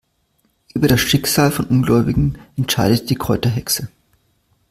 Über das Schicksal von Ungläubigen entscheidet die Kräuterhexe.